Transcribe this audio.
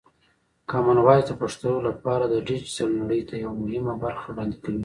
کامن وایس د پښتو لپاره د ډیجیټل نړۍ ته یوه مهمه برخه وړاندې کوي.